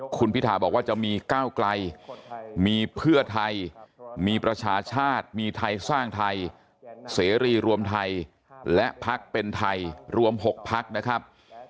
คุณพิธาบอกว่าจะมีก้าวไกลมีเพื่อไทยมีประชาชาติมีไทยสร้างไทยเสรีรวมไทยและพักเป็นไทยรวม๖พักนะครับ